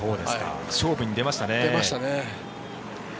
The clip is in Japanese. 勝負に出ましたね。